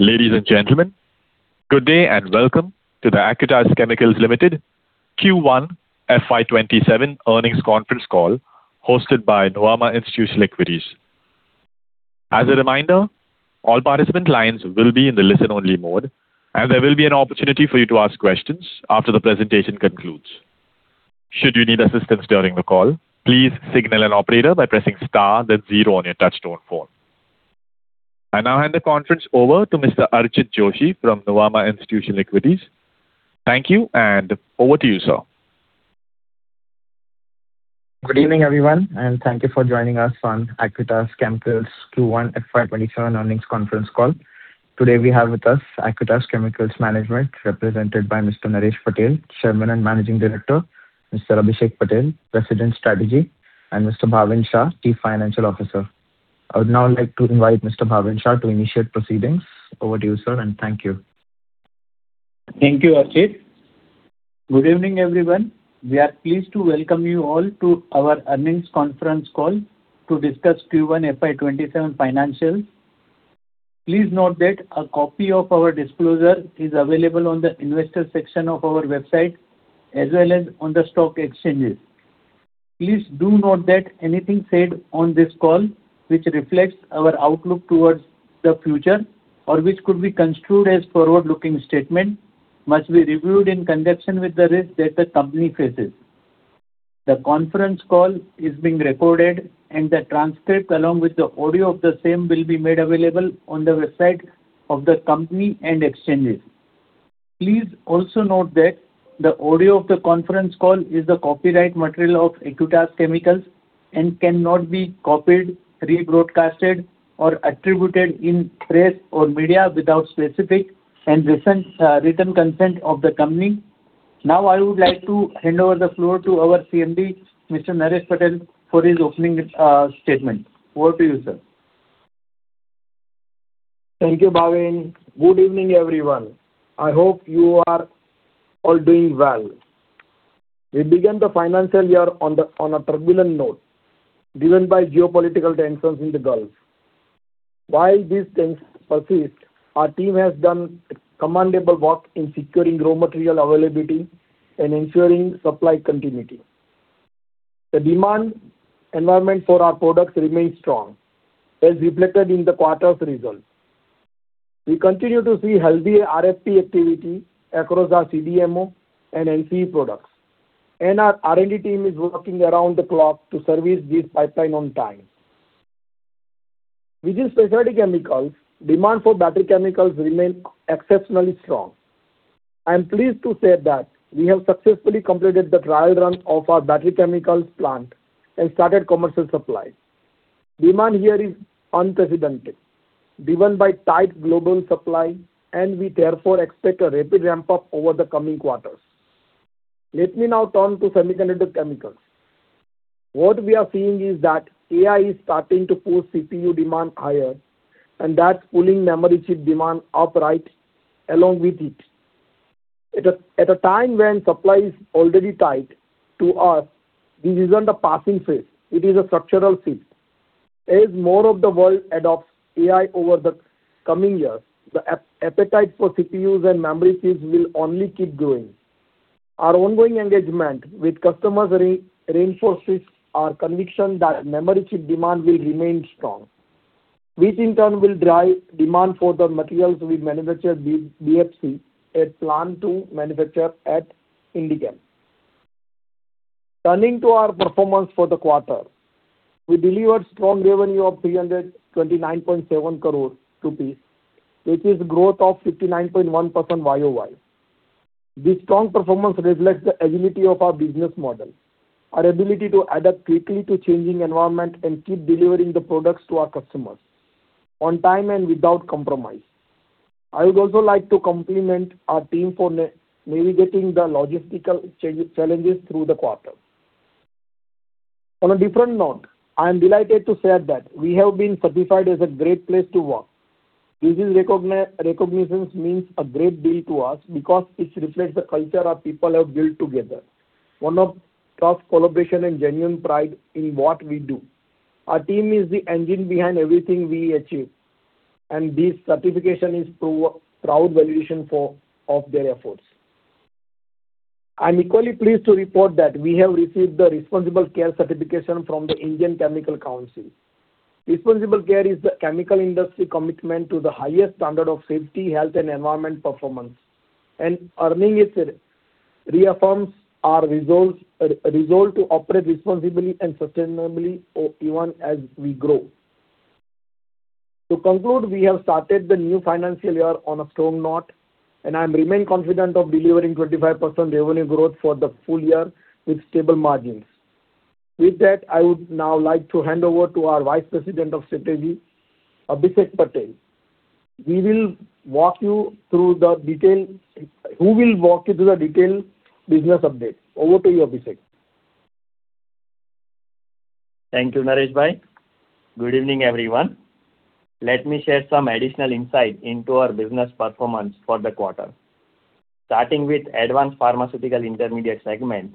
Ladies and gentlemen, good day and welcome to the Acutaas Chemicals Limited Q1 FY 2027 Earnings Conference Call hosted by Nuvama Institutional Equities. As a reminder, all participant lines will be in the listen-only mode. There will be an opportunity for you to ask questions after the presentation concludes. Should you need assistance during the call, please signal an operator by pressing star then zero on your touch-tone phone. I now hand the conference over to Mr. Archit Joshi from Nuvama Institutional Equities. Thank you, over to you, sir. Good evening, everyone. Thank you for joining us on Acutaas Chemicals Q1 FY 2027 Earnings Conference Call. Today we have with us Acutaas Chemicals management, represented by Mr. Naresh Patel, Chairman and Managing Director, Mr. Abhishek Patel, President, Strategy, and Mr. Bhavin Shah, Chief Financial Officer. I would now like to invite Mr. Bhavin Shah to initiate proceedings. Over to you, sir, thank you. Thank you, Archit. Good evening, everyone. We are pleased to welcome you all to our earnings conference call to discuss Q1 FY 2027 financials. Please note that a copy of our disclosure is available on the investor section of our website as well as on the stock exchanges. Please do note that anything said on this call, which reflects our outlook towards the future or which could be construed as forward-looking statement, must be reviewed in conjunction with the risk that the company faces. The conference call is being recorded. The transcript, along with the audio of the same, will be made available on the website of the company and exchanges. Please also note that the audio of the conference call is the copyright material of Acutaas Chemicals and cannot be copied, rebroadcasted, or attributed in press or media without specific and written consent of the company. I would like to hand over the floor to our CMD, Mr. Naresh Patel, for his opening statement. Over to you, sir. Thank you, Bhavin. Good evening, everyone. I hope you are all doing well. We began the financial year on a turbulent note, driven by geopolitical tensions in the Gulf. While these tensions persist, our team has done commendable work in securing raw material availability and ensuring supply continuity. The demand environment for our products remains strong, as reflected in the quarter's results. We continue to see healthy RFP activity across our CDMO and NCE products, and our R&D team is working around the clock to service this pipeline on time. Within specialty chemicals, demand for battery chemicals remains exceptionally strong. I am pleased to say that we have successfully completed the trial run of our battery chemicals plant and started commercial supply. Demand here is unprecedented, driven by tight global supply, and we therefore expect a rapid ramp-up over the coming quarters. Let me now turn to semiconductor chemicals. What we are seeing is that AI is starting to push CPU demand higher, and that's pulling memory chip demand upright along with it. At a time when supply is already tight. To us, this isn't a passing phase. It is a structural shift. As more of the world adopts AI over the coming years, the appetite for CPUs and memory chips will only keep growing. Our ongoing engagement with customers reinforces our conviction that memory chip demand will remain strong, which in turn will drive demand for the materials we manufacture BFC and plan to manufacture at Indichem. Turning to our performance for the quarter. We delivered strong revenue of 329.7 crore rupees, which is growth of 59.1% YoY. This strong performance reflects the agility of our business model, our ability to adapt quickly to changing environment and keep delivering the products to our customers on time and without compromise. I would also like to compliment our team for navigating the logistical challenges through the quarter. On a different note, I am delighted to share that we have been certified as a Great Place to Work. This recognition means a great deal to us because it reflects the culture our people have built together, one of trust, collaboration, and genuine pride in what we do. Our team is the engine behind everything we achieve, and this certification is proud validation of their efforts. I'm equally pleased to report that we have received the Responsible Care Certification from the Indian Chemical Council. Responsible care is the chemical industry commitment to the highest standard of safety, health, and environment performance, and earning it reaffirms our resolve to operate responsibly and sustainably even as we grow. To conclude, we have started the new financial year on a strong note, and I remain confident of delivering 25% revenue growth for the full year with stable margins. With that, I would now like to hand over to our Vice President of Strategy, Abhishek Patel. He will walk you through the detailed business update. Over to you, Abhishek. Thank you, Naresh. Good evening, everyone. Let me share some additional insight into our business performance for the quarter. Starting with advanced pharmaceutical intermediate segment,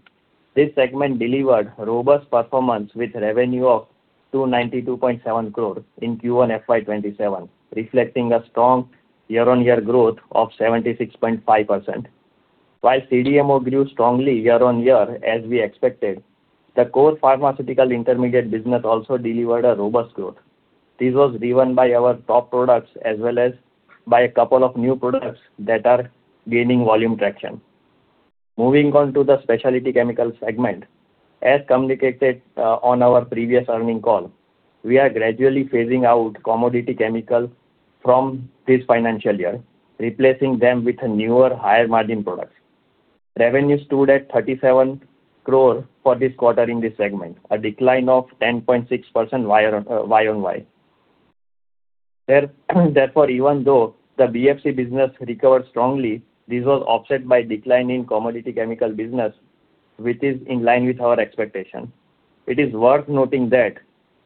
this segment delivered robust performance with revenue of 292.7 crore in Q1 FY 2027, reflecting a strong year-on-year growth of 76.5%. While CDMO grew strongly year-on-year, as we expected, the core pharmaceutical intermediate business also delivered a robust growth. This was driven by our top products as well as by a couple of new products that are gaining volume traction. Moving on to the specialty chemical segment, as communicated on our previous earnings call, we are gradually phasing out commodity chemical from this financial year, replacing them with newer, higher margin products. Revenue stood at 37 crore for this quarter in this segment, a decline of 10.6% YoY. Even though the BFC business recovered strongly, this was offset by decline in commodity chemical business, which is in line with our expectation. It is worth noting that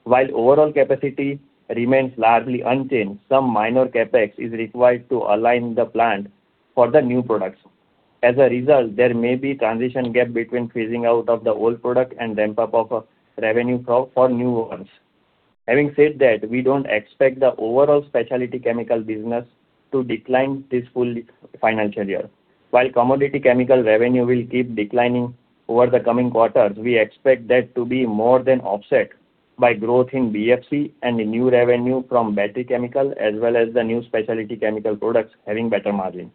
while overall capacity remains largely unchanged, some minor CapEx is required to align the plant for the new products. As a result, there may be transition gap between phasing out of the old product and ramp-up of revenue for new ones. Having said that, we do not expect the overall specialty chemical business to decline this full financial year. While commodity chemical revenue will keep declining over the coming quarters, we expect that to be more than offset by growth in BFC and new revenue from battery chemical as well as the new specialty chemical products having better margin.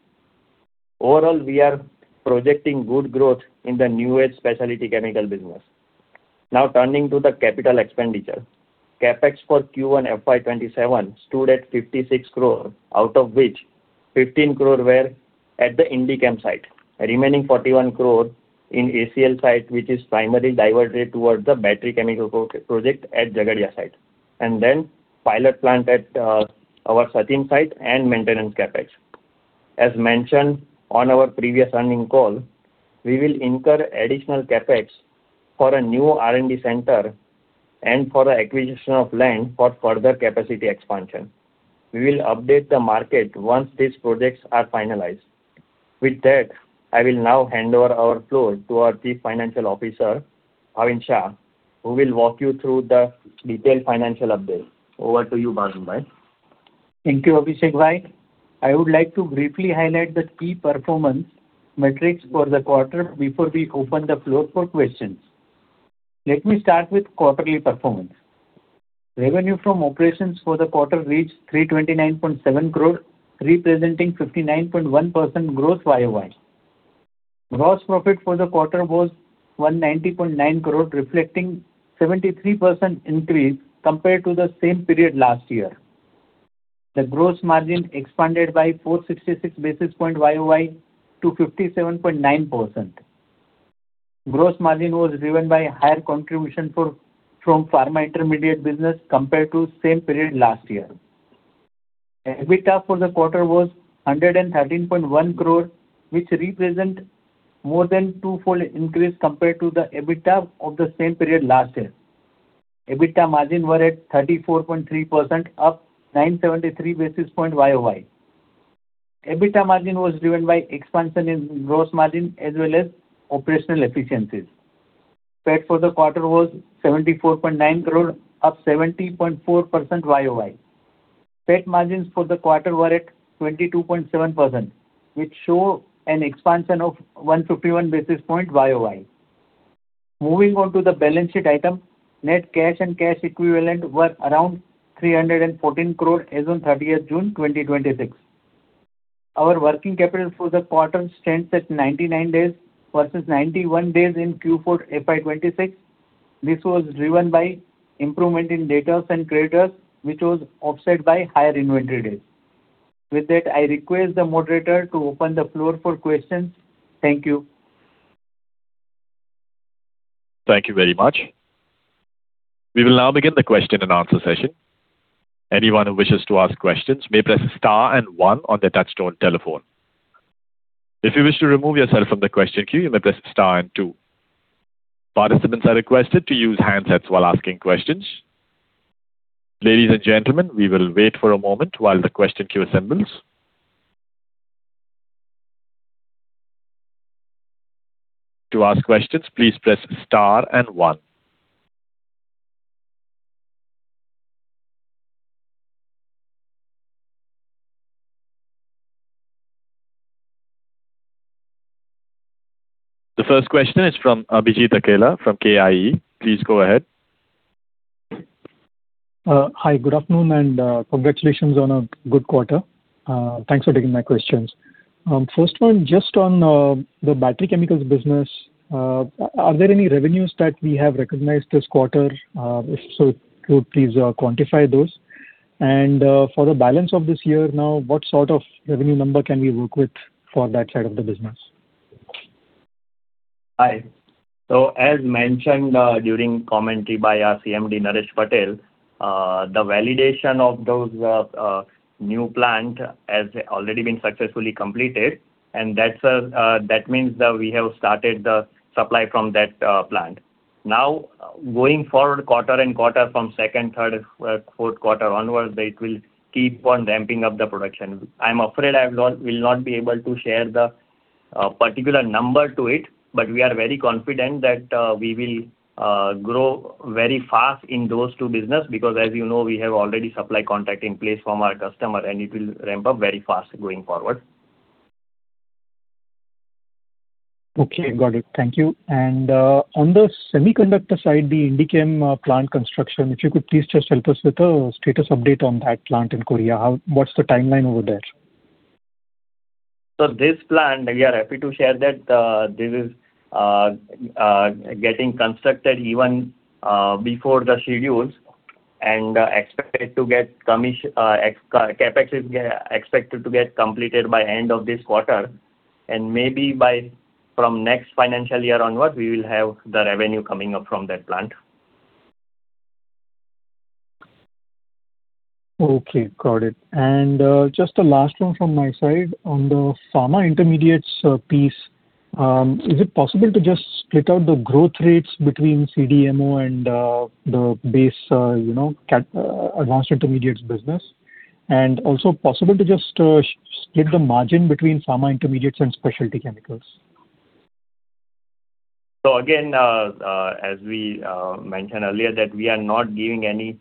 Overall, we are projecting good growth in the new age specialty chemical business. Now turning to the capital expenditure. CapEx for Q1 FY 2027 stood at 56 crore, out of which 15 crore were at the Indichem site. Remaining 41 crore in ACL site, which is primarily diverted towards the battery chemical project at Jhagadia site, and then pilot plant at our Sachin site and maintenance CapEx. As mentioned on our previous earnings call, we will incur additional CapEx for a new R&D center and for the acquisition of land for further capacity expansion. We will update the market once these projects are finalized. With that, I will now hand over our floor to our Chief Financial Officer, Bhavin Shah, who will walk you through the detailed financial update. Over to you, Bhavin. Thank you, Abhishek. I would like to briefly highlight the key performance metrics for the quarter before we open the floor for questions. Let me start with quarterly performance. Revenue from operations for the quarter reached 329.7 crore, representing 59.1% growth YoY. Gross profit for the quarter was 190.9 crore, reflecting 73% increase compared to the same period last year. The gross margin expanded by 466 basis points YoY to 57.9%. Gross margin was driven by higher contribution from pharma intermediate business compared to same period last year. EBITDA for the quarter was 113.1 crore, which represent more than twofold increase compared to the EBITDA of the same period last year. EBITDA margin were at 34.3%, up 973 basis points YoY. EBITDA margin was driven by expansion in gross margin as well as operational efficiencies. PAT for the quarter was 74.9 crore, up 70.4% YoY. PAT margins for the quarter were at 22.7%, which show an expansion of 151 basis points YoY. Moving on to the balance sheet item, net cash and cash equivalent were around 314 crore as on June 30th, 2026. Our working capital for the quarter stands at 99 days versus 91 days in Q4 FY 2026. This was driven by improvement in debtors and creditors, which was offset by higher inventory days. With that, I request the moderator to open the floor for questions. Thank you. Thank you very much. We will now begin the question-and-answer session. Anyone who wishes to ask questions may press star and one on their touch-tone telephone. If you wish to remove yourself from the question queue, you may press star and two. Participants are requested to use handsets while asking questions. Ladies and gentlemen, we will wait for a moment while the question queue assembles. To ask questions, please press star and one. The first question is from Abhijit Akella from KIE. Please go ahead. Hi, good afternoon, congratulations on a good quarter. Thanks for taking my questions. First one, just on the battery chemicals business, are there any revenues that we have recognized this quarter? If so, could you please quantify those? For the balance of this year now, what sort of revenue number can we work with for that side of the business? Hi. As mentioned during commentary by our CMD Naresh Patel, the validation of those new plant has already been successfully completed, and that means that we have started the supply from that plant. Now, going forward quarter and quarter from second, third, fourth quarter onwards, it will keep on ramping up the production. I'm afraid I will not be able to share the particular number to it, but we are very confident that we will grow very fast in those two business because, as you know, we have already supply contract in place from our customer, and it will ramp up very fast going forward. Okay, got it. Thank you. On the semiconductor side, the Indichem plant construction, if you could please just help us with a status update on that plant in Korea. What's the timeline over there? This plant, we are happy to share that this is getting constructed even before the schedules and expected to get completed by end of this quarter. Maybe from next financial year onwards, we will have the revenue coming up from that plant. Okay, got it. Just the last one from my side. On the pharma intermediates piece, is it possible to just split out the growth rates between CDMO and the base advanced intermediates business? Also possible to just split the margin between pharma intermediates and specialty chemicals. Again, as we mentioned earlier that we are not giving any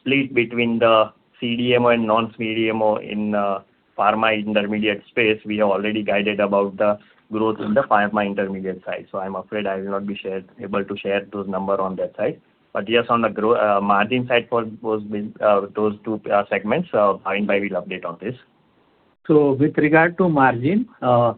split between the CDMO and non-CDMO in pharma intermediate space. We have already guided about the growth in the pharma intermediate side. I'm afraid I will not be able to share those number on that side. Yes, on the margin side for those two segments, Bhavin will update on this. With regard to margin, our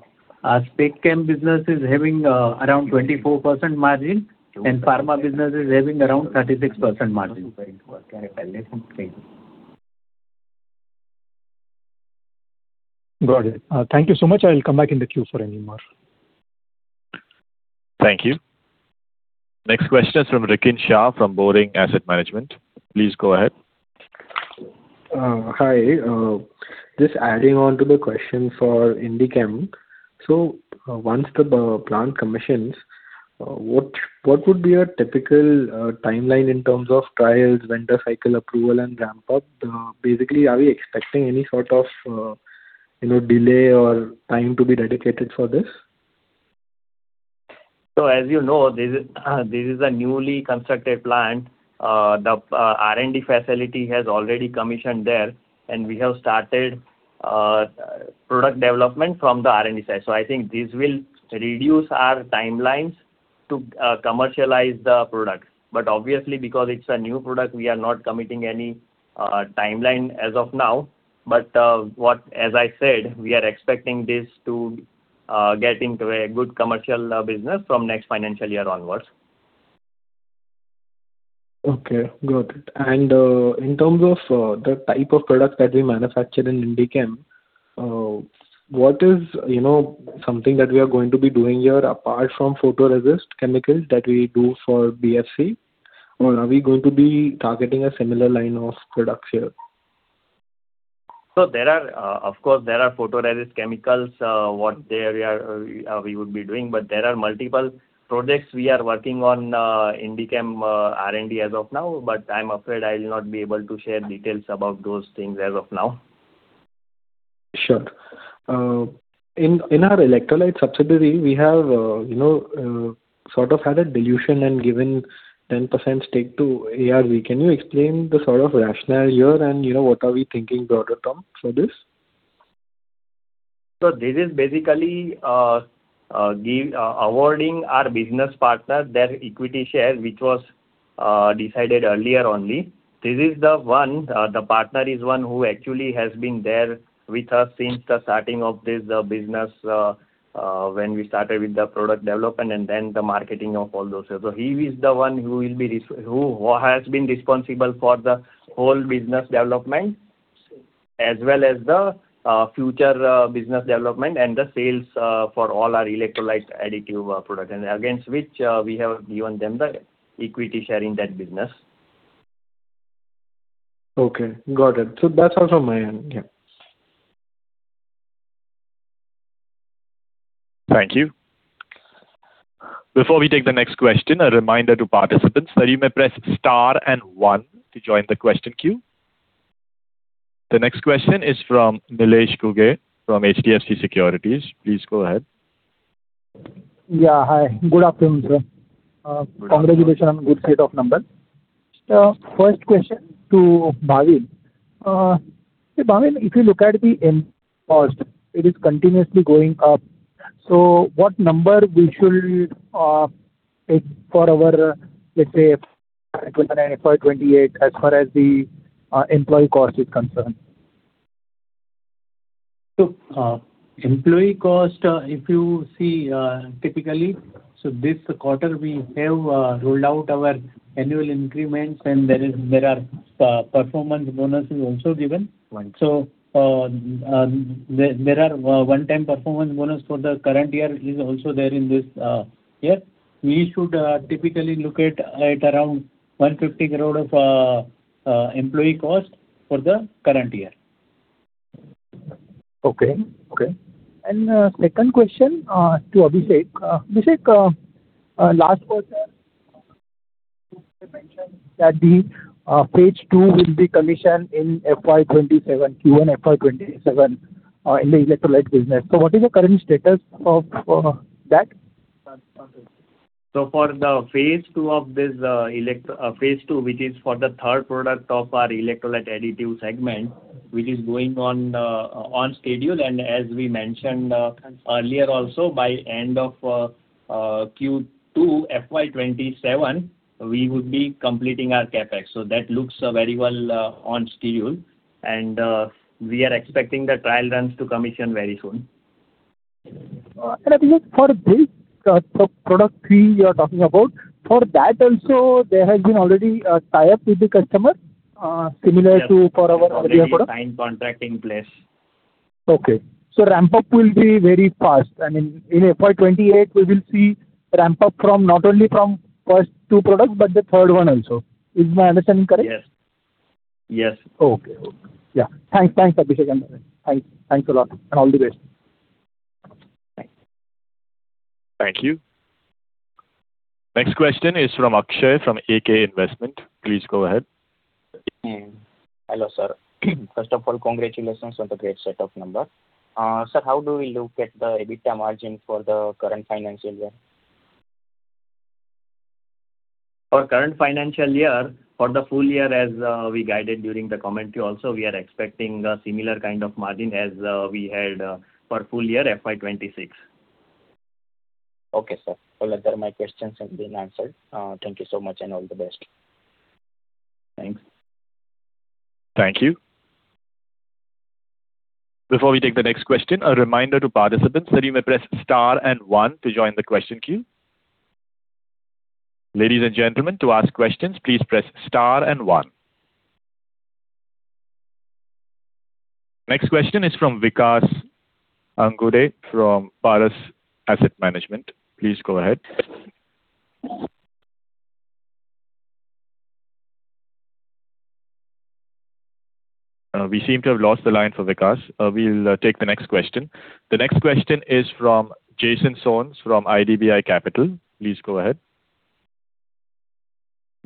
spec chem business is having around 24% margin, and pharma business is having around 36% margin. Got it. Thank you so much. I will come back in the queue for any more. Thank you. Next question is from Rikin Shah, from Boring Asset Management. Please go ahead. Hi. Just adding on to the question for Indichem. Once the plant commissions, what would be a typical timeline in terms of trials, vendor cycle approval, and ramp up? Basically, are we expecting any sort of delay or time to be dedicated for this? As you know, this is a newly constructed plant. The R&D facility has already commissioned there, and we have started product development from the R&D side. I think this will reduce our timelines to commercialize the product. Obviously, because it's a new product, we are not committing any timeline as of now. As I said, we are expecting this to get into a good commercial business from next financial year onwards. Okay, got it. In terms of the type of product that we manufacture in Indichem, what is something that we are going to be doing here apart from photoresist chemicals that we do for BFC? Are we going to be targeting a similar line of products here? Of course, there are photoresist chemicals, what we would be doing. There are multiple projects we are working on Indichem R&D as of now. I'm afraid I'll not be able to share details about those things as of now. Sure. In our electrolyte subsidiary, we have sort of had a dilution and given 10% stake to ARV. Can you explain the sort of rationale here and what are we thinking broader term for this? This is basically awarding our business partner their equity share, which was decided earlier only. The partner is one who actually has been there with us since the starting of this business, when we started with the product development and then the marketing of all those. He is the one who has been responsible for the whole business development as well as the future business development and the sales for all our electrolyte additive product. Against which, we have given them the equity share in that business. Okay, got it. That's also my end, yeah. Thank you. Before we take the next question, a reminder to participants that you may press star and one to join the question queue. The next question is from Nilesh Ghuge, from HDFC Securities. Please go ahead. Yeah, hi. Good afternoon, sir. Congratulations on good set of numbers. First question to Bhavin. See, Bhavin, if you look at the end cost, it is continuously going up. What number we should take for our, let's say, for 2028 as far as the employee cost is concerned? Employee cost, if you see typically, so this quarter we have rolled out our annual increments and there are performance bonuses also given. There are one-time performance bonus for the current year is also there in this year. We should typically look at around 150 crore of employee cost for the current year. Okay. Second question to Abhishek. Abhishek, last quarter you mentioned that the Phase 2 will be commissioned in FY 2027, Q1 FY 2027 in the electrolyte business. What is the current status of that? For the Phase 2, which is for the third product of our electrolyte additive segment, which is going on schedule. As we mentioned earlier also by end of Q2 FY 2027, we would be completing our CapEx. That looks very well on schedule. We are expecting the trial runs to commission very soon. Abhishek for this product three you are talking about, for that also there has been already a tie-up with the customer similar to for our other product? Yes. We already have signed contract in place. Okay. Ramp-up will be very fast. I mean, in FY 2028, we will see ramp-up not only from first two products, but the third one also. Is my understanding correct? Yes. Okay. Yeah. Thanks, Abhishek. Thanks a lot, and all the best. Thanks. Thank you. Next question is from Akshay from AK Investment. Please go ahead. Hello, sir. First of all, congratulations on the great set of numbers. Sir, how do we look at the EBITDA margin for the current financial year? For current financial year, for the full year as we guided during the commentary also, we are expecting a similar kind of margin as we had for full year FY 2026. Okay, sir. Well, there my questions have been answered. Thank you so much, and all the best. Thanks. Thank you. Before we take the next question, a reminder to participants that you may press star and one to join the question queue. Ladies and gentlemen, to ask questions, please press star and one. Next question is from Vikas Angude from Paras Asset Management. Please go ahead. We seem to have lost the line for Vikas. We will take the next question. The next question is from Jason Soans from IDBI Capital. Please go ahead.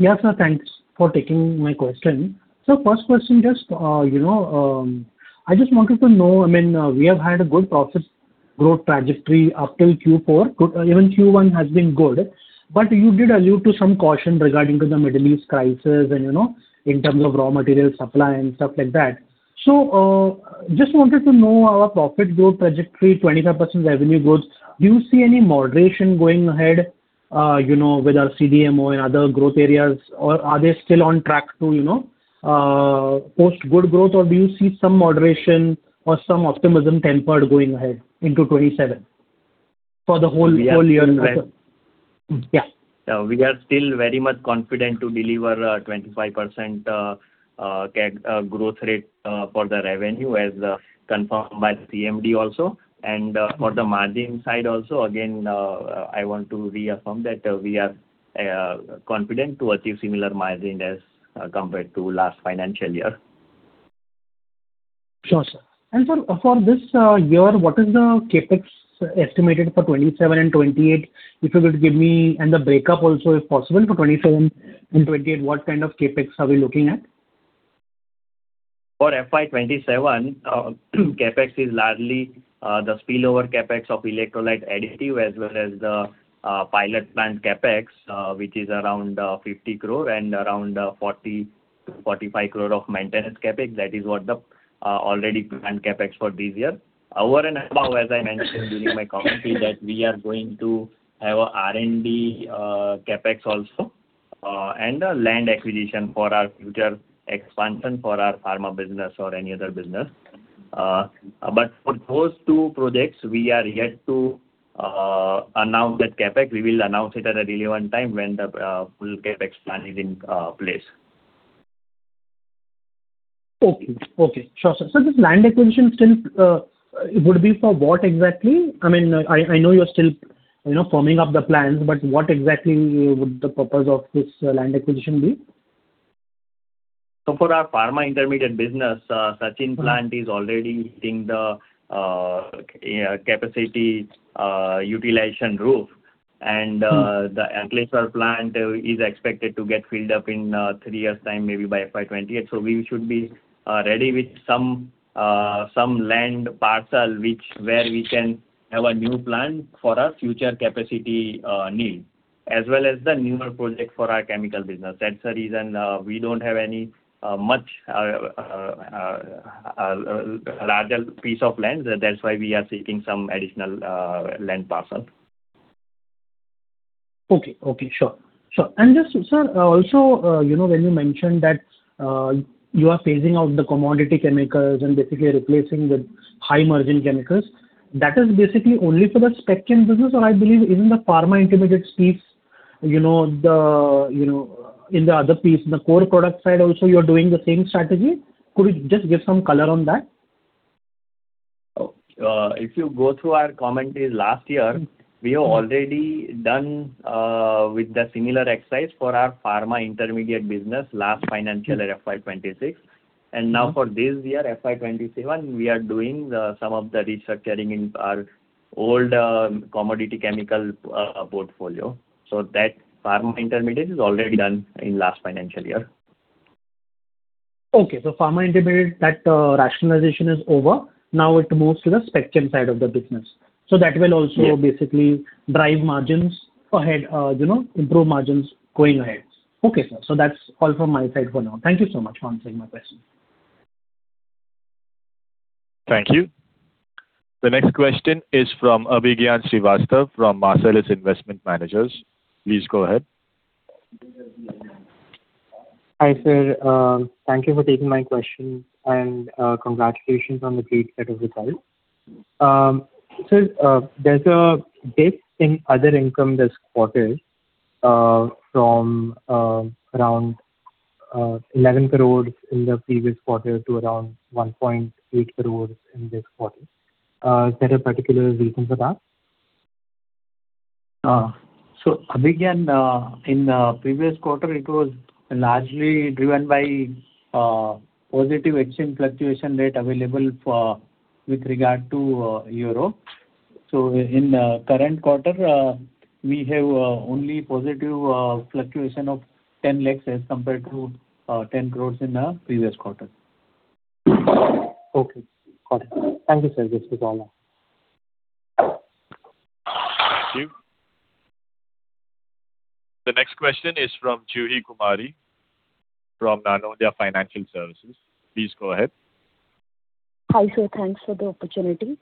Yeah, sir. Thanks for taking my question. First question, I just wanted to know, we have had a good profit growth trajectory up till Q4. Even Q1 has been good, you did allude to some caution regarding to the Middle East crisis and in terms of raw material supply and stuff like that. Just wanted to know our profit growth trajectory, 25% revenue growth, do you see any moderation going ahead with our CDMO and other growth areas, or are they still on track to post good growth? Do you see some moderation or some optimism tempered going ahead into 2027 for the whole year? Yeah. We are still very much confident to deliver a 25% CAGR growth rate for the revenue as confirmed by the CMD also. For the margin side also, again, I want to reaffirm that we are confident to achieve similar margin as compared to last financial year. Sure, sir. Sir, for this year, what is the CapEx estimated for 2027 and 2028? If you could give me, and the breakup also, if possible, for 2027 and 2028, what kind of CapEx are we looking at? For FY 2027, CapEx is largely the spillover CapEx of electrolyte additive as well as the pilot plant CapEx, which is around 50 crore and around 40 crore-45 crore of maintenance CapEx. That is what the already planned CapEx for this year. Over and above, as I mentioned during my commentary, that we are going to have a R&D CapEx also, and a land acquisition for our future expansion for our pharma business or any other business. For those two projects, we are yet to announce that CapEx. We will announce it at a relevant time when the full CapEx plan is in place. Okay. Sure, sir. Sir, this land acquisition, it would be for what exactly? I know you're still forming up the plans, what exactly would the purpose of this land acquisition be? For our pharma intermediate business, Sachin plant is already hitting the capacity utilization roof. The Ankleshwar plant is expected to get filled up in three years' time, maybe by FY 2028. We should be ready with some land parcel where we can have a new plant for our future capacity need, as well as the newer project for our chemical business. That's the reason we don't have any much larger piece of land. That's why we are seeking some additional land parcel. Okay. Sure. Just, sir, also when you mentioned that you are phasing out the commodity chemicals and basically replacing with high-margin chemicals, that is basically only for the spec chem business, or I believe even the pharma intermediate piece, in the other piece, the core product side also, you're doing the same strategy. Could you just give some color on that? If you go through our commentary last year, we have already done with the similar exercise for our pharma intermediate business last financial year, FY 2026. Now for this year, FY 2027, we are doing some of the restructuring in our old commodity chemical portfolio. That pharma intermediate is already done in last financial year. Okay. Pharma intermediate, that rationalization is over. Now it moves to the spec chem side of the business drive margins ahead, improve margins going ahead. Okay, sir. That's all from my side for now. Thank you so much for answering my question. Thank you. The next question is from Abhigyan Srivastav from Marcellus Investment Managers. Please go ahead. Hi, sir. Thank you for taking my question, and congratulations on the great set of results. Sir, there's a dip in other income this quarter, from around 11 crore in the previous quarter to around 1.8 crore in this quarter. Is there a particular reason for that? Abhigyan, in previous quarter, it was largely driven by positive exchange fluctuation rate available with regard to euro. In the current quarter, we have only positive fluctuation of 10 lakh as compared to 10 crore in the previous quarter. Okay. Got it. Thank you, sir. This is all now. Thank you. The next question is from Juhi Kumari from Nuvama Financial Services. Please go ahead. Hi, sir. Thanks for the opportunity.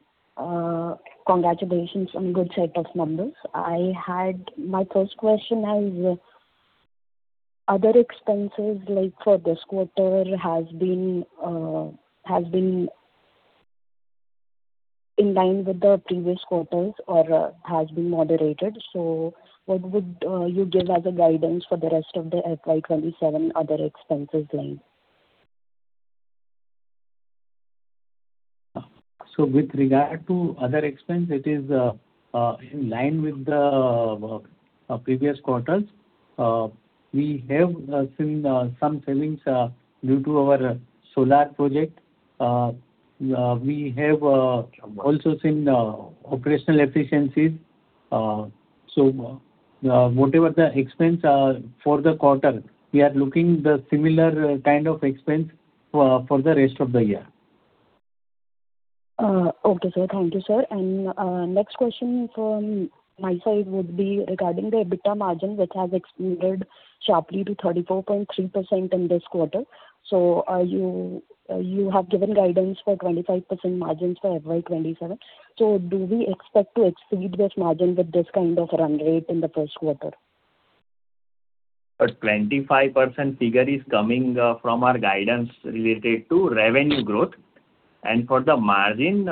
Congratulations on good set of numbers. My first question is, other expenses like for this quarter has been in line with the previous quarters or has been moderated. What would you give as a guidance for the rest of the FY 2027 other expenses line? With regard to other expense, it is in line with the previous quarters. We have seen some savings due to our solar project. We have also seen operational efficiencies. Whatever the expense for the quarter, we are looking the similar kind of expense for the rest of the year. Okay, sir. Thank you, sir. Next question from my side would be regarding the EBITDA margin, which has expanded sharply to 34.3% in this quarter. You have given guidance for 25% margins for FY 2027. Do we expect to exceed this margin with this kind of run rate in the first quarter? The 25% figure is coming from our guidance related to revenue growth. For the margin,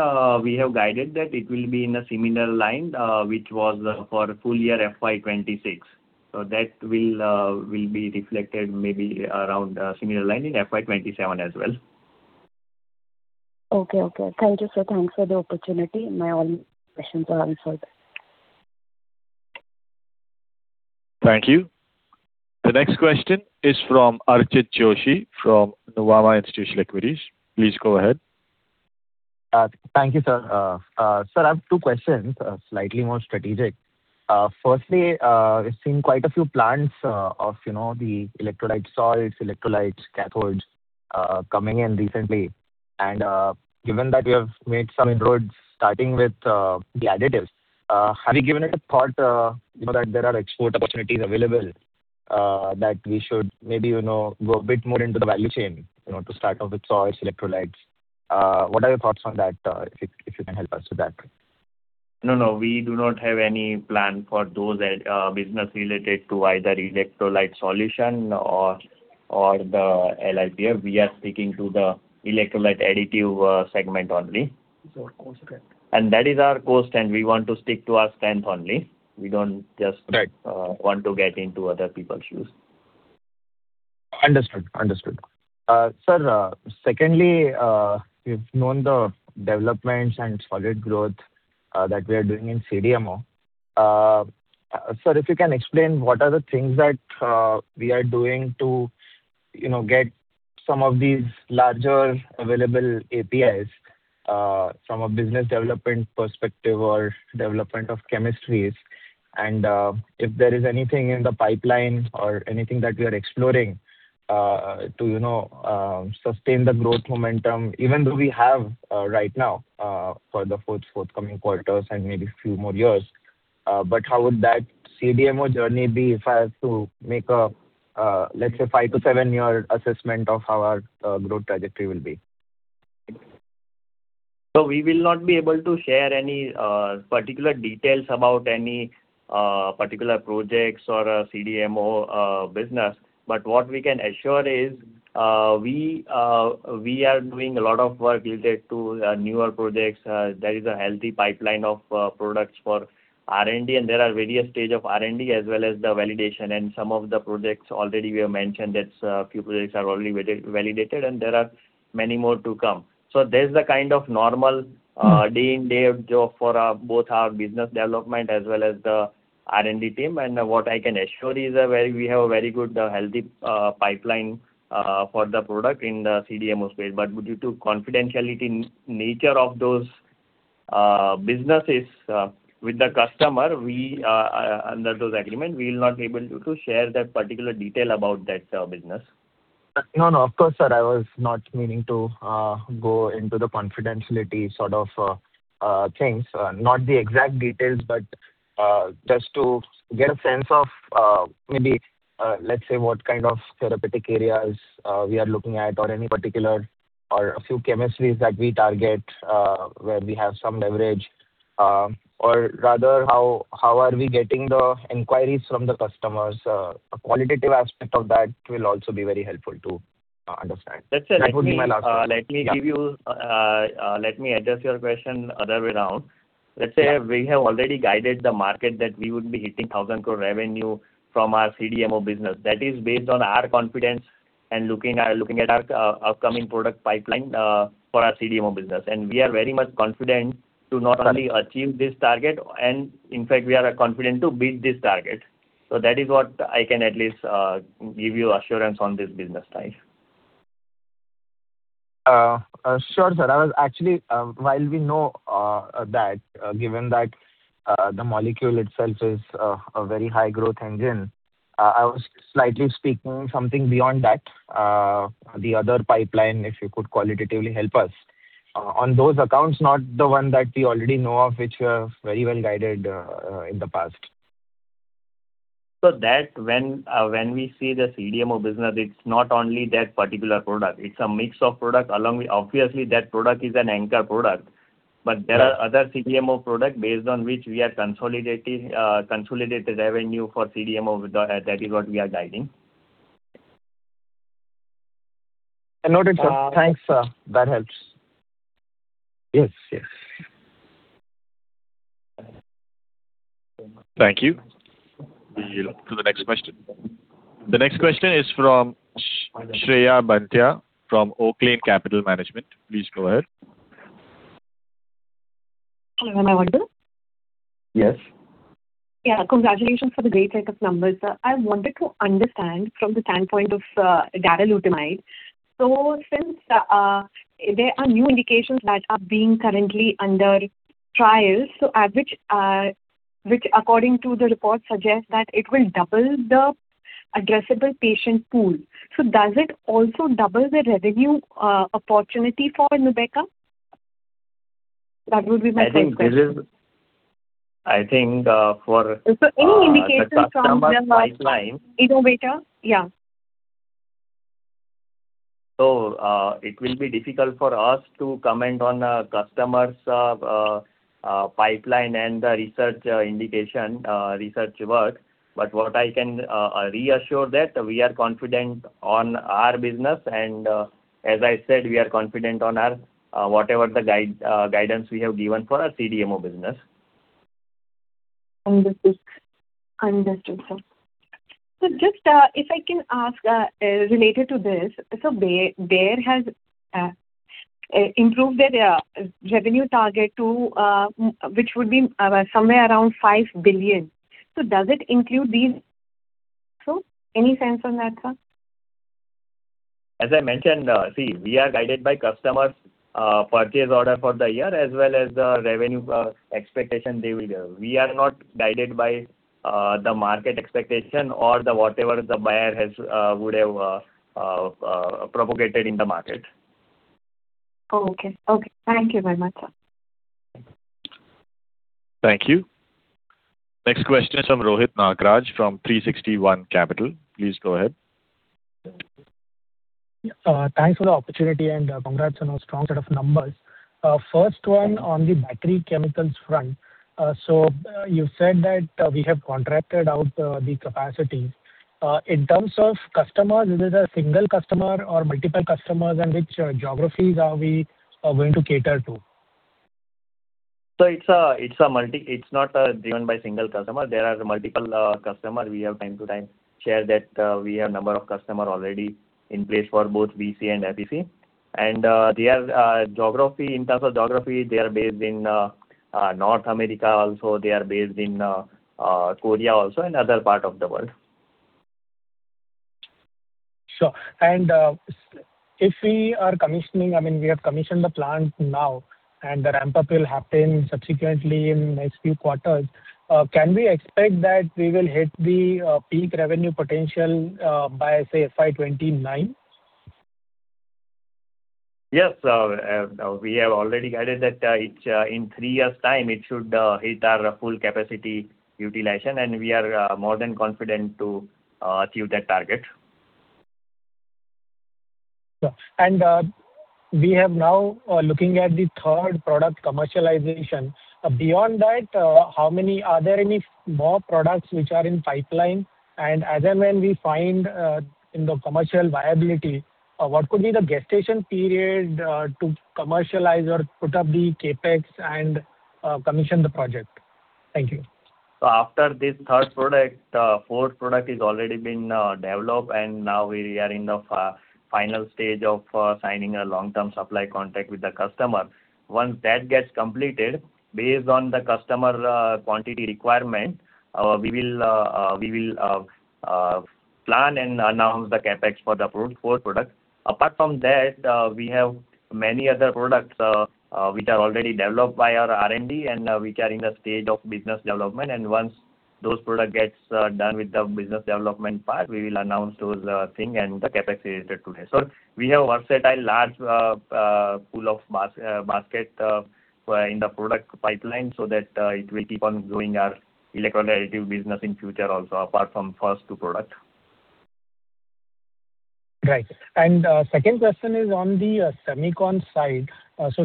we have guided that it will be in a similar line, which was for full year FY 2026. That will be reflected maybe around a similar line in FY 2027 as well. Okay. Thank you, sir. Thanks for the opportunity. My all questions are answered. Thank you. The next question is from Archit Joshi from Nuvama Institutional Equities. Please go ahead. Thank you, sir. Sir, I have two questions, slightly more strategic. Firstly, we've seen quite a few plants of the electrolyte salts, electrolytes, cathodes coming in recently. Given that we have made some inroads starting with the additives, have you given it a thought that there are export opportunities available that we should maybe go a bit more into the value chain, to start off with salts, electrolytes? What are your thoughts on that, if you can help us with that? No, we do not have any plan for those business related to either electrolyte solution or the LFP. We are sticking to the electrolyte additive segment only. It's our core strength. That is our core strength. We want to stick to our strength only. I want to get into other people's shoes. Understood. Sir, secondly, we've known the developments and solid growth that we are doing in CDMO. Sir, if you can explain what are the things that we are doing to get some of these larger available APIs from a business development perspective or development of chemistries, and if there is anything in the pipeline or anything that we are exploring to sustain the growth momentum, even though we have right now, for the forthcoming quarters and maybe few more years. How would that CDMO journey be if I have to make a, let's say, five to seven-year assessment of how our growth trajectory will be? We will not be able to share any particular details about any particular projects or CDMO business. What we can assure is, we are doing a lot of work related to newer projects. There is a healthy pipeline of products for R&D, and there are various stage of R&D as well as the validation. Some of the projects already we have mentioned that few projects are already validated, and there are many more to come. There's the kind of normal day in, day out job for both our business development as well as the R&D team. What I can assure is we have a very good, healthy pipeline for the product in the CDMO space. Due to confidentiality nature of those businesses with the customer, under those agreement, we will not be able to share that particular detail about that business. No, of course, sir. I was not meaning to go into the confidentiality sort of things. Not the exact details, just to get a sense of maybe, let's say, what kind of therapeutic areas we are looking at or any particular or a few chemistries that we target where we have some leverage. Rather, how are we getting the inquiries from the customers? A qualitative aspect of that will also be very helpful to understand. That would be my last question. Yeah. Let me address your question other way around. Let's say we have already guided the market that we would be hitting 1,000 crore revenue from our CDMO business. That is based on our confidence and looking at our upcoming product pipeline for our CDMO business. We are very much confident to not only achieve this target and, in fact, we are confident to beat this target. That is what I can at least give you assurance on this business side. Sure, sir. Actually, while we know that, given that the molecule itself is a very high growth engine, I was slightly speaking something beyond that. The other pipeline, if you could qualitatively help us. On those accounts, not the one that we already know of, which you have very well guided in the past. When we say the CDMO business, it's not only that particular product, it's a mix of products. Obviously, that product is an anchor product, but there are other CDMO products based on which we are consolidated revenue for CDMO. That is what we are guiding. Noted, sir. Thanks. That helps. Yes. Thank you. We'll to the next question. The next question is from Shreya Banthia from Oaklane Capital Management. Please go ahead. Am I audible? Yes. Yeah. Congratulations for the great set of numbers. I wanted to understand from the standpoint of darolutamide. Since there are new indications that are being currently under trials, which according to the report suggests that it will double the addressable patient pool. Does it also double the revenue opportunity for NUBEQA? That would be my first question. I think for- Any indication from the- the customer pipeline? innovator? Yeah. It will be difficult for us to comment on a customer's pipeline and the research indication, research work. What I can reassure that we are confident on our business, and as I said, we are confident on whatever the guidance we have given for our CDMO business. Understood, sir. Just if I can ask, related to this, Bayer has improved their revenue target, which would be somewhere around 5 billion. Does it include these two? Any sense on that, sir? As I mentioned, see, we are guided by customers' purchase order for the year as well as the revenue expectation they will give. We are not guided by the market expectation or whatever the buyer would have propagated in the market. Okay. Thank you very much, sir. Thank you. Next question from Rohit Nagraj from 360 ONE Capital. Please go ahead. Thanks for the opportunity and congrats on a strong set of numbers. First one on the battery chemicals front. You said that we have contracted out the capacity. In terms of customers, is it a single customer or multiple customers, and which geographies are we going to cater to? It's not driven by single customer. There are multiple customer. We have time to time shared that we have number of customer already in place for both VC and APC. In terms of geography, they are based in North America also. They are based in Korea also and other part of the world. Sure. If we are commissioning, we have commissioned the plant now, and the ramp-up will happen subsequently in next few quarters. Can we expect that we will hit the peak revenue potential by, say, FY 2029? Yes. We have already guided that in three years' time it should hit our full capacity utilization, we are more than confident to achieve that target. Sure. We have now looking at the third product commercialization. Beyond that, are there any more products which are in pipeline? As and when we find in the commercial viability, what could be the gestation period to commercialize or put up the CapEx and commission the project? Thank you. After this third product, fourth product is already been developed and now we are in the final stage of signing a long-term supply contract with the customer. Once that gets completed, based on the customer quantity requirement, we will plan and announce the CapEx for the fourth product. Apart from that, we have many other products which are already developed by our R&D and which are in the stage of business development. Once those product gets done with the business development part, we will announce those thing and the CapEx related to that. We have versatile large pool of basket in the product pipeline so that it will keep on growing our electrolyte business in future also, apart from first two product. Right. Second question is on the semicon side.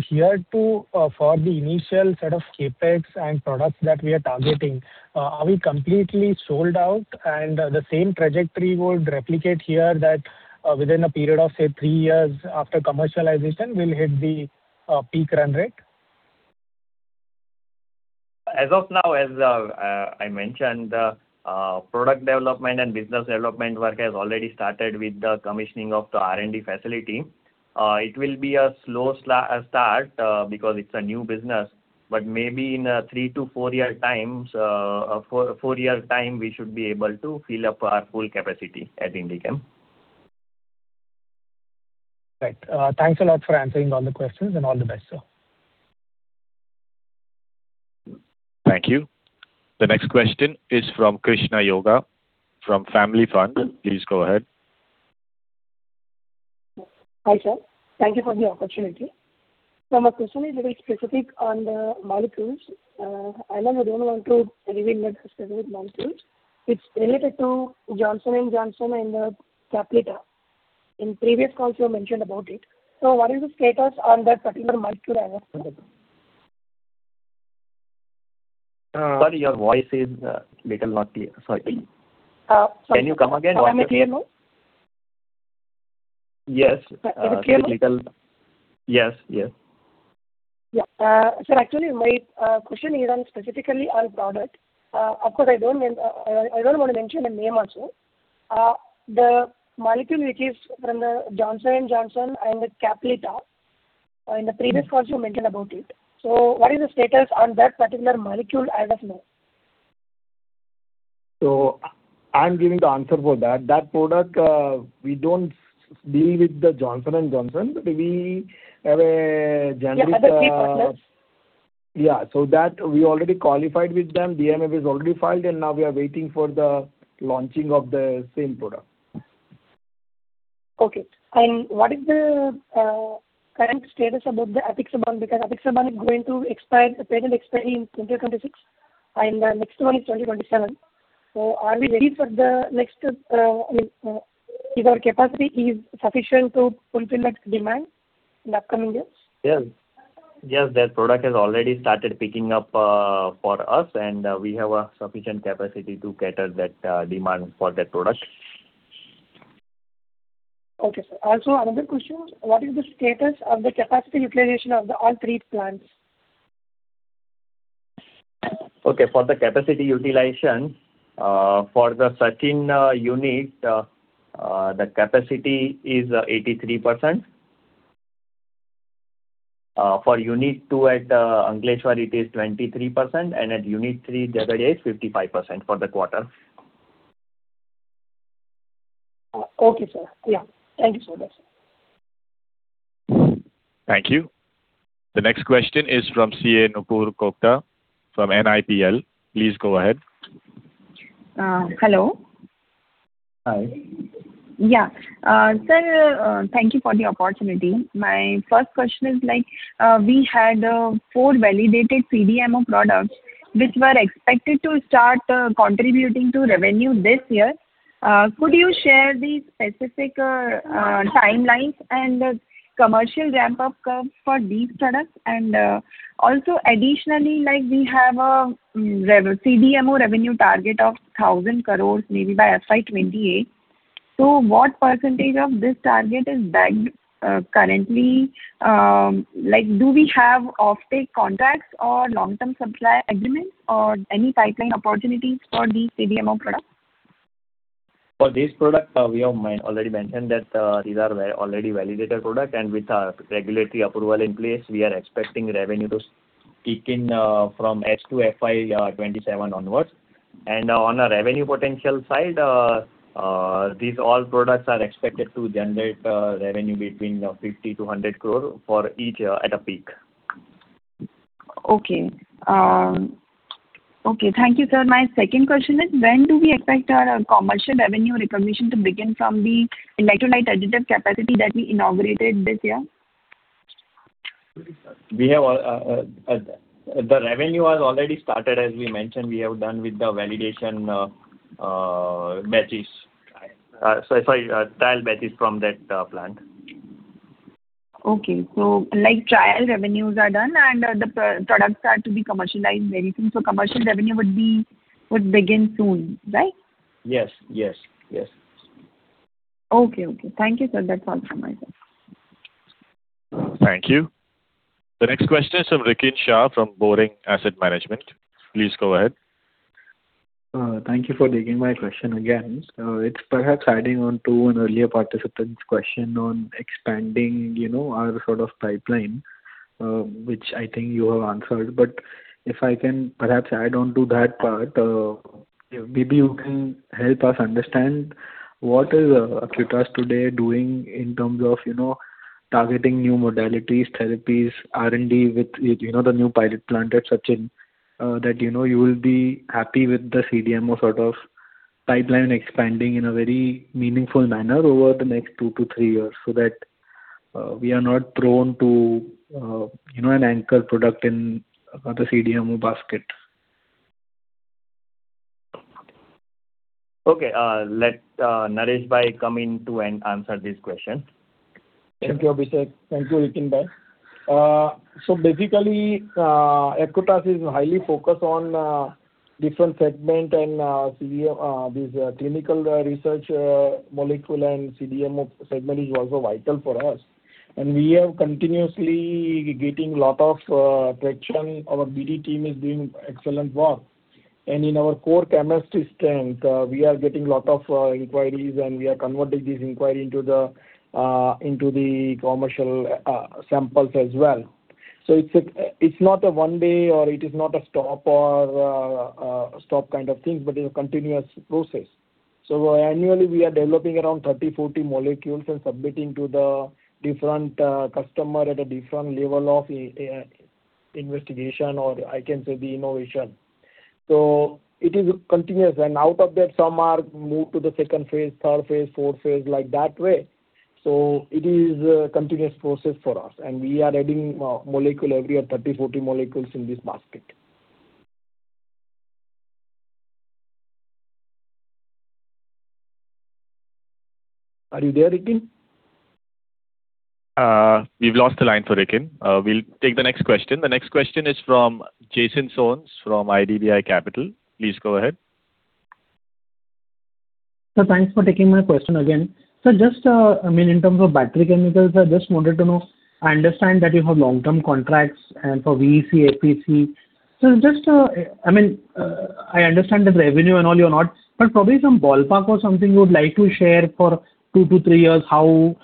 Here too, for the initial set of CapEx and products that we are targeting, are we completely sold out and the same trajectory would replicate here that within a period of, say, three years after commercialization, we'll hit the peak run rate? As of now, as I mentioned, product development and business development work has already started with the commissioning of the R&D facility. It will be a slow start because it's a new business, but maybe in a three to four-year time, we should be able to fill up our full capacity at Indichem. Right. Thanks a lot for answering all the questions, all the best, sir. Thank you. The next question is from [Krishna Yoga] from [Family Fund]. Please go ahead. Hi, sir. Thank you for the opportunity. My question is very specific on the molecules. I know you don't want to reveal much specific molecules. It's related to Johnson & Johnson and the CAPLYTA. In previous calls you mentioned about it. What is the status on that particular molecule as of now? Sorry, your voice is little not clear. Sorry. Can you come again? Am I clear now? Yes. Is it clear now? Yes, yes. Yeah. Sir, actually, my question is on specifically on product. Of course, I don't want to mention a name also. The molecule which is from the Johnson & Johnson and with CAPLYTA. In the previous calls you mentioned about it. What is the status on that particular molecule as of now? I'm giving the answer for that. That product, we don't deal with the Johnson & Johnson, but we have a generic- Yeah, other key partners. Yeah. That we already qualified with them. DMF is already filed, and now we are waiting for the launching of the same product. Okay. What is the current status about the apixaban? Because apixaban is going to expire, the patent expiry in 2026, and the next one is 2027. Are we ready for the next Is our capacity is sufficient to fulfill that demand in upcoming years? Yes. That product has already started picking up for us, and we have a sufficient capacity to cater that demand for that product. Okay, sir. Another question, what is the status of the capacity utilization of the all three plants? Okay, for the capacity utilization, for the Sachin Unit, the capacity is 83%. For Unit-II at Ankleshwar, it is 23%, and at Unit-III, Dahej, 55% for the quarter. Okay, sir. Yeah. Thank you so much, sir. Thank you. The next question is from CA Nupur Kogta from NIPL. Please go ahead. Hello. Hi. Yeah. Sir, thank you for the opportunity. My first question is, we had four validated CDMO products which were expected to start contributing to revenue this year. Could you share the specific timelines and commercial ramp-up curves for these products? Additionally, we have a CDMO revenue target of 1,000 crore maybe by FY 2028. What percentage of this target is bagged currently? Do we have offtake contracts or long-term supply agreements or any pipeline opportunities for these CDMO products? For this product, we have already mentioned that these are already validated product, and with our regulatory approval in place, we are expecting revenue to kick in from FY 2027 onwards. On a revenue potential side, these all products are expected to generate revenue between 50 crore-100 crore for each year at a peak. Okay. Thank you, sir. My second question is, when do we expect our commercial revenue recognition to begin from the electrolyte additive capacity that we inaugurated this year? The revenue has already started. As we mentioned, we have done with the validation batches. Sorry, trial batches from that plant. Okay. Trial revenues are done and the products are to be commercialized very soon. Commercial revenue would begin soon, right? Yes. Okay. Thank you, sir. That's all from my side. Thank you. The next question is from Rikin Shah from Boring Asset Management. Please go ahead. Thank you for taking my question again. It's perhaps adding on to an earlier participant's question on expanding our sort of pipeline, which I think you have answered. If I can perhaps add on to that part, maybe you can help us understand what is Acutaas today doing in terms of targeting new modalities, therapies, R&D with the new pilot plant at Sachin that you will be happy with the CDMO sort of pipeline expanding in a very meaningful manner over the next two to three years so that we are not prone to an anchor product in the CDMO basket. Okay. Let Naresh come in to answer this question. Thank you, Abhishek. Thank you, Rikin. Basically, Acutaas is highly focused on different segment and this clinical research molecule and CDMO segment is also vital for us. We are continuously getting lot of traction. Our BD team is doing excellent work. In our core chemistry strength, we are getting lot of inquiries, and we are converting these inquiry into the commercial samples as well. It's not a one way or it is not a stop kind of thing, but it's a continuous process. Annually we are developing around 30, 40 molecules and submitting to the different customer at a different level of investigation or I can say the innovation. It is continuous and out of that some are moved to the second phase, third phase, fourth phase like that way. It is a continuous process for us and we are adding molecule every year, 30, 40 molecules in this basket. Are you there, Rikin? We've lost the line for Rikin. We'll take the next question. The next question is from Jason Soans from IDBI Capital. Please go ahead. Sir, thanks for taking my question again. Sir, just in terms of battery chemicals, I just wanted to know, I understand that you have long-term contracts for VC, APC. Sir, I understand the revenue and all you have, but probably some ballpark or something you would like to share for two to three years. It will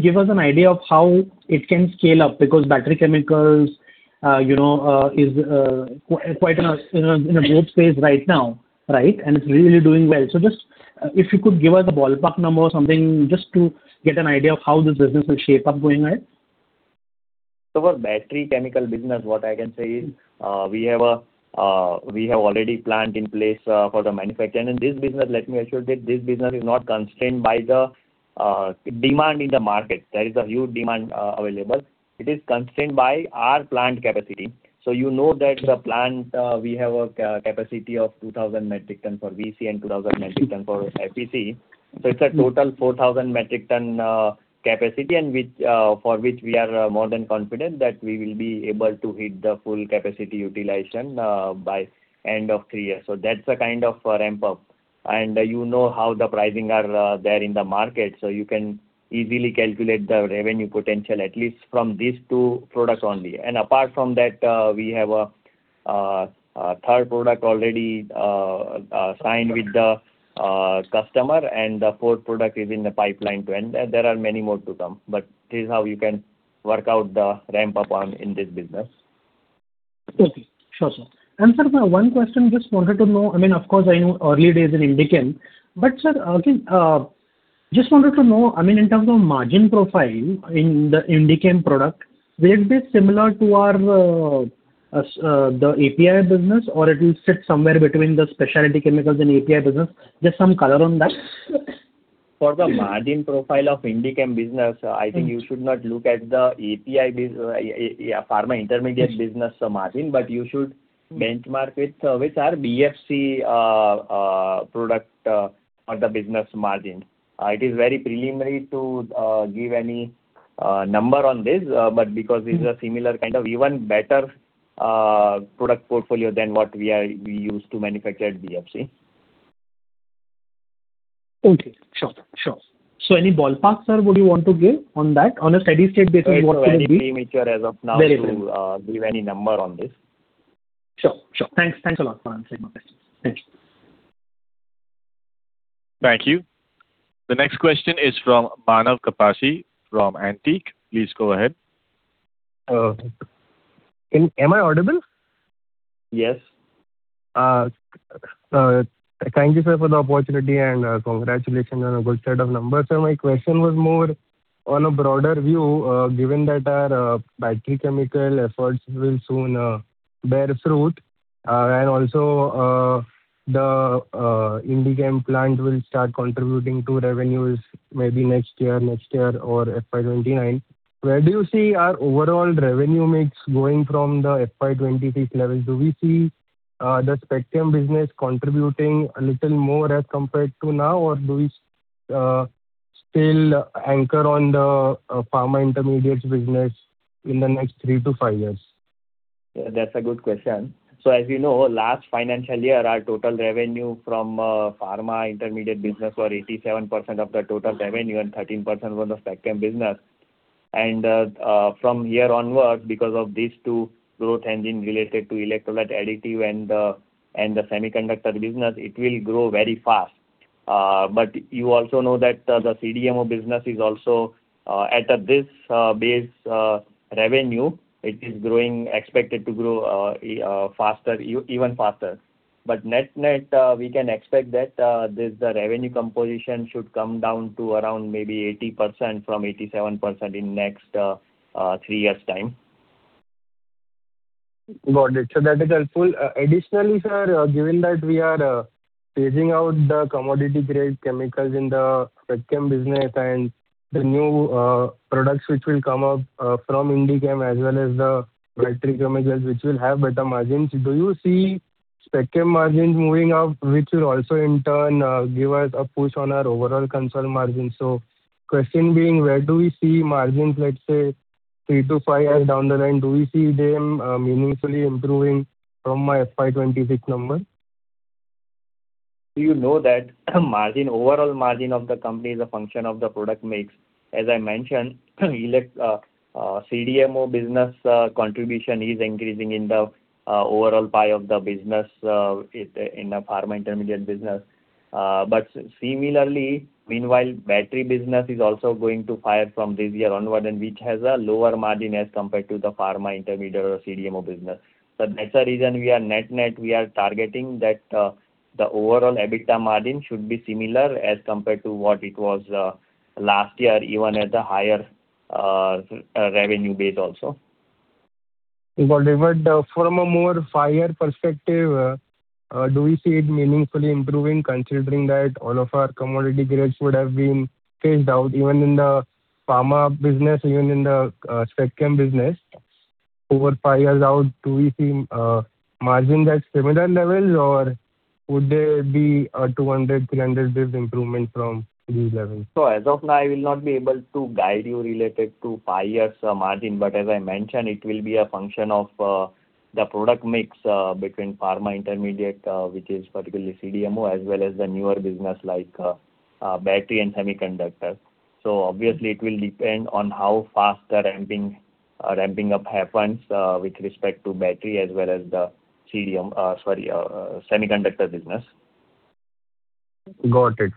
give us an idea of how it can scale up because battery chemicals is quite in a growth space right now, right? And it's really doing well. Just if you could give us a ballpark number or something just to get an idea of how this business will shape up going ahead. For battery chemical business what I can say is we have already plant in place for the manufacture. In this business, let me assure that this business is not constrained by the demand in the market. There is a huge demand available. It is constrained by our plant capacity. You know that the plant, we have a capacity of 2,000 metric ton for VC and 2,000 metric ton for APC. It's a total 4,000 metric ton capacity and for which we are more than confident that we will be able to hit the full capacity utilization by end of three years. That's the kind of ramp-up. You know how the pricing are there in the market, so you can easily calculate the revenue potential at least from these two products only. Apart from that, we have a third product already signed with the customer and the fourth product is in the pipeline to end. There are many more to come, this is how you can work out the ramp-up in this business. Okay. Sure, sir. Sir, one question, just wanted to know, of course I know early days in Indichem, but sir, just wanted to know in terms of margin profile in the Indichem product, will it be similar to our API business or it will sit somewhere between the specialty chemicals and API business? Just some color on that. For the margin profile of Indichem business, I think you should not look at the API, pharma intermediate business margin, you should benchmark with our BFC product or the business margin. It is very preliminary to give any number on this, but because these are similar kind of even better product portfolio than what we used to manufacture at BFC. Okay. Sure. Any ballpark, sir, would you want to give on that on a steady state basis what it will be? It's very premature as of now. Very premature. Give any number on this. Sure. Thanks a lot for answering my question. Thanks. Thank you. The next question is from Manav Kapasi from Antique. Please go ahead. Am I audible? Yes. Thank you, sir, for the opportunity and congratulations on a good set of numbers. My question was more on a broader view, given that our battery chemical efforts will soon bear fruit and also the Indichem plant will start contributing to revenues maybe next year, next year or FY 2029. Where do you see our overall revenue mix going from the FY 2026 levels? Do we see the spec chem business contributing a little more as compared to now or do we still anchor on the pharma intermediates business in the next three to five years? That's a good question. As you know, last financial year, our total revenue from pharma intermediate business was 87% of the total revenue and 13% was the spec chem business. From here onwards, because of these two growth engine related to electrolyte additive and the semiconductor business, it will grow very fast. You also know that the CDMO business is also at this revenue it is expected to grow even faster. Net-net, we can expect that the revenue composition should come down to around maybe 80% from 87% in next three years' time. That is helpful. Additionally, sir, given that we are phasing out the commodity grade chemicals in the spec chem business and the new products which will come up from Indichem as well as the battery chemicals, which will have better margins. Do you see spec chem margins moving up, which will also in turn give us a push on our overall consolidated margin? Question being, where do we see margins, let's say three to five years down the line? Do we see them meaningfully improving from my FY 2026 number? You know that overall margin of the company is a function of the product mix. As I mentioned, CDMO business contribution is increasing in the overall pie of the business in the pharma intermediate business. Similarly, meanwhile, battery business is also going to fire from this year onward, and which has a lower margin as compared to the pharma intermediate or CDMO business. That's the reason net-net, we are targeting that the overall EBITDA margin should be similar as compared to what it was last year, even at the higher revenue base also. Got it. From a more five-year perspective, do we see it meaningfully improving, considering that all of our commodity grades would have been phased out, even in the pharma business, even in the spec chem business? Over five years out, do we see margins at similar levels, or would there be a 200, 300 basis improvement from these levels? As of now, I will not be able to guide you related to five years margin. As I mentioned, it will be a function of the product mix between pharma intermediate, which is particularly CDMO, as well as the newer business like battery and semiconductor. Obviously it will depend on how fast the ramping up happens with respect to battery as well as the CDMO, sorry, semiconductor business. Got it.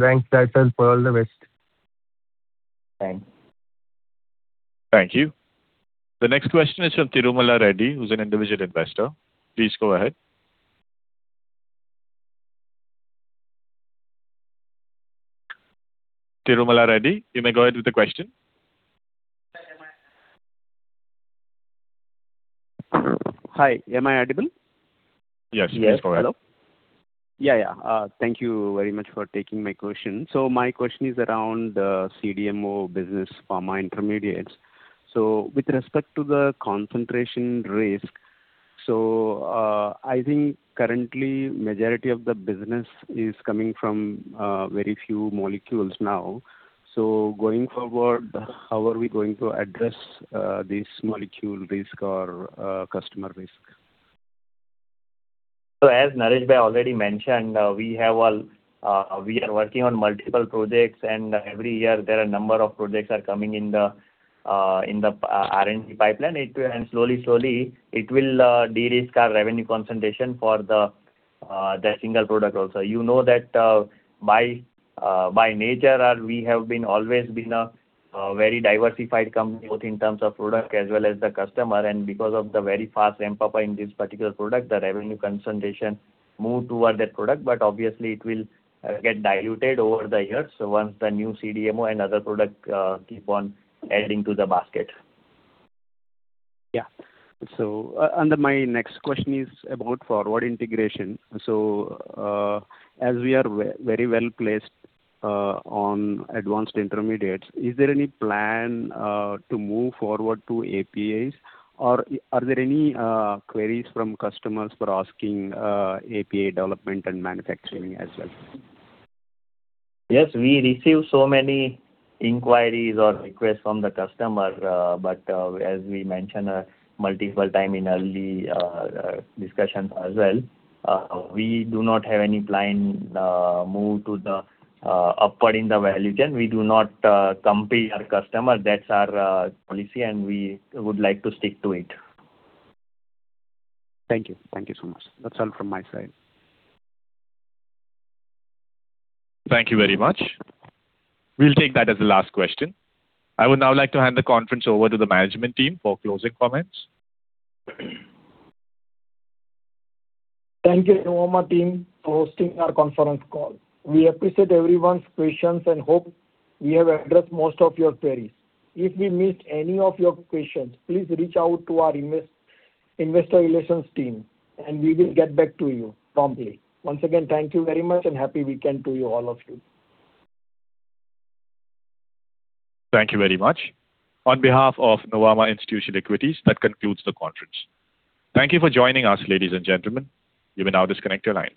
Thanks. That's all. All the best. Thanks. Thank you. The next question is from [Tirumala Reddy], who's an individual investor. Please go ahead. [Tirumala Reddy], you may go ahead with the question. Hi, am I audible? Yes, please go ahead. Yes. Hello. Yeah. Thank you very much for taking my question. My question is around the CDMO business pharma intermediates. With respect to the concentration risk, I think currently majority of the business is coming from very few molecules now. Going forward, how are we going to address this molecule risk or customer risk? As Naresh already mentioned, we are working on multiple projects and every year there are a number of projects are coming in the R&D pipeline. Slowly, slowly it will de-risk our revenue concentration for the single product also. You know that by nature, we have always been a very diversified company, both in terms of product as well as the customer. Because of the very fast ramp-up in this particular product, the revenue concentration moved toward that product. Obviously it will get diluted over the years once the new CDMO and other product keep on adding to the basket. Yeah. My next question is about forward integration. As we are very well placed on advanced intermediates, is there any plan to move forward to APIs or are there any queries from customers for asking API development and manufacturing as well? Yes, we receive so many inquiries or requests from the customer. As we mentioned multiple time in early discussions as well, we do not have any plan move to the upward in the value chain. We do not compete our customer. That's our policy and we would like to stick to it. Thank you. Thank you so much. That's all from my side. Thank you very much. We'll take that as the last question. I would now like to hand the conference over to the management team for closing comments. Thank you, Nuvama team, for hosting our conference call. We appreciate everyone's questions and hope we have addressed most of your queries. If we missed any of your questions, please reach out to our investor relations team and we will get back to you promptly. Once again, thank you very much and happy weekend to you, all of you. Thank you very much. On behalf of Nuvama Institutional Equities, that concludes the conference. Thank you for joining us, ladies and gentlemen. You may now disconnect your line.